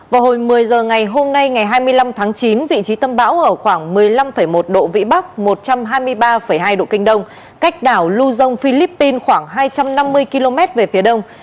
vào hồi một mươi giờ ngày hôm nay ngày hai mươi năm tháng chín vị trí tâm bão ở khoảng một mươi năm một độ vĩ bắc một trăm hai mươi ba hai độ kinh đông cách đảo luzon philippines khoảng hai trăm năm mươi km về phía đông